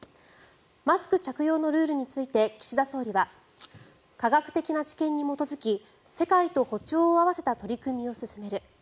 マスク着用のルールについて岸田総理は科学的な知見に基づき世界と歩調を合わせた取り組みを進める。